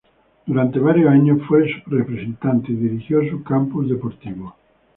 Durante varios años fue su representante y dirigió su campus deportivo.